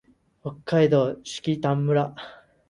北海道色丹村